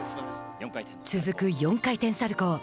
続く４回転サルコー。